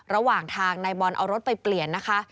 ระหว่างทางนายบอลเอารถไปเปลี่ยนนะคะ